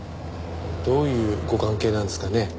どういうご関係なんですかね？